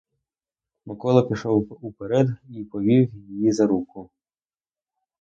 Микола пішов уперед і повів її за руку.